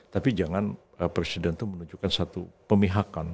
tapi jangan presiden itu menunjukkan satu pemihakan